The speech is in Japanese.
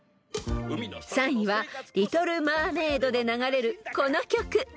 ［３位は『リトル・マーメイド』で流れるこの曲］